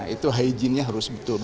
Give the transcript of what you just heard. itu hijinnya harus diperhatikan